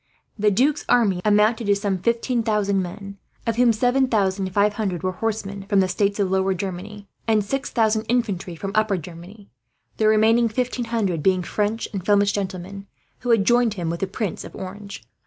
The Duc's army amounted to some fifteen thousand men, of whom seven thousand five hundred were horsemen from the states of Lower Germany, and six thousand infantry from Upper Germany; the remaining fifteen hundred being French and Flemish gentlemen, who had joined him with the Prince of Orange.